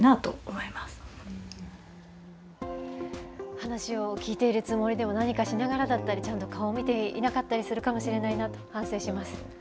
話を聞いているつもりでも、何かしながらだったり、ちゃんと顔見ていなかったりするかもしれないなと、反省します。